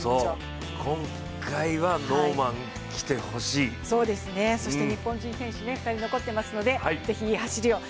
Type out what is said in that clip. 今回はノーマン、来てほしいそして日本人選手２人残っていますので、ぜひ、いい走りを。